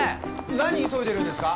何急いでるんですか？